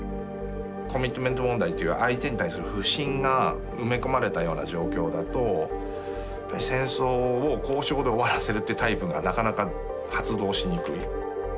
コミットメント問題という相手に対する不信が埋め込まれたような状況だと戦争を交渉で終わらせるってタイプがなかなか発動しにくい。